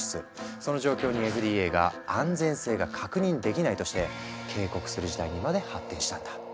その状況にＦＤＡが「安全性が確認できない」として警告する事態にまで発展したんだ。